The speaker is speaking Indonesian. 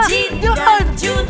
om jin dan jun